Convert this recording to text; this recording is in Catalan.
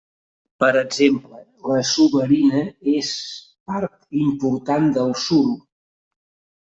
Per exemple, la suberina és part important del suro.